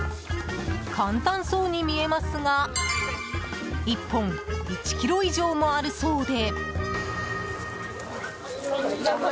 簡単そうに見えますが１本１ｋｇ以上もあるそうで。